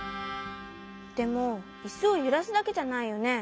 でもイスをゆらすだけじゃないよね？